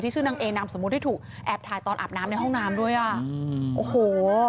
ชื่อนางเอนามสมมุติที่ถูกแอบถ่ายตอนอาบน้ำในห้องน้ำด้วยอ่ะอืมโอ้โห